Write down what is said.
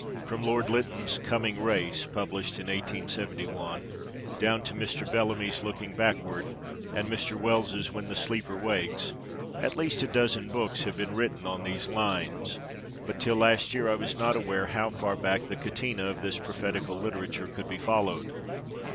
From Lord Lytton's " Coming Race," published in 1871, down to Mr. Bellamy's "Looking Backward," and Mr. Wells's " When the Sleeper wakes," at least a dozen books have been written on these lines. But till last year I was not aware how far back the catena of this prophetical literature could be followed.